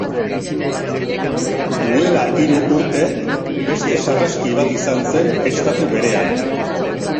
Duela hiru urte, beste sarraski bat izan zen estatu berean.